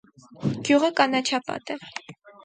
Գյուղը կանաչապատ է։